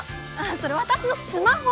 それ私のスマホ！